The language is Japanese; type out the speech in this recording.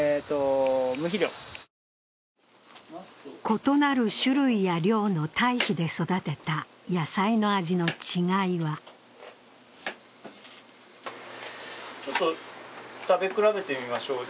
異なる種類や量の堆肥で育てた野菜の味の違いはちょっと食べ比べてみましょう。